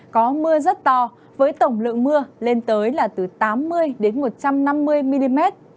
có mưa rất to với tổng lượng mưa lên tới là từ tám mươi đến một trăm năm mươi mm